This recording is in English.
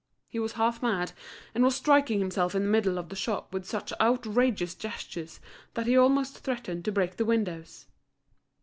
He was half mad, and was striking himself in the middle of the shop with such outrageous gestures that he almost threatened to break the windows.